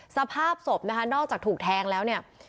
สภาพศพนะคะนอกจากถูกแทงแล้วเนี่ย